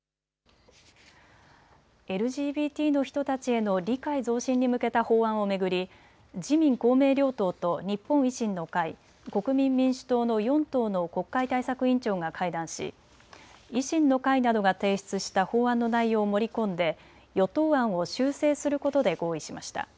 ＬＧＢＴの人たちへの理解増進に向けた法案を巡り自民公明両党と日本維新の会、国民民主党の４党の国会対策委員長が会談し維新の会などが提出した法案の内容を盛り込んで与党案を修正することで合意しました。